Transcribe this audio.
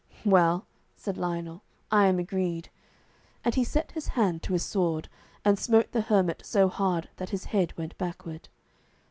"Well," said Lionel, "I am agreed"; and he set his hand to his sword, and smote the hermit so hard that his head went backward.